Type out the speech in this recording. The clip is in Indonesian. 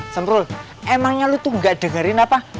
semprul emangnya lo tuh nggak dengerin apa